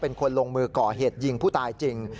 เป็นคนลงมือก่อเหตุยิงผู้ตายจริง